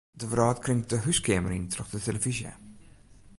De wrâld kringt de húskeamer yn troch de telefyzje.